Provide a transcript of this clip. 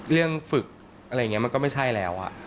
เรื่องฝึกอะไรอย่างนี้มันก็ไม่ใช่แล้ว